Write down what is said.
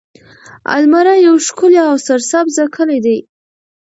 المره يو ښکلی او سرسبزه کلی دی.